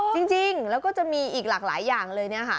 จริงแล้วก็จะมีอีกหลากหลายอย่างเลยเนี่ยค่ะ